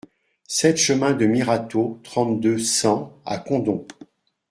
sept chemin de Mirateau, trente-deux, cent à Condom